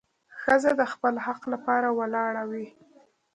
ښځه د خپل حق لپاره ولاړه وي.